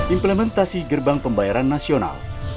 implementasi gerbang pembayaran nasional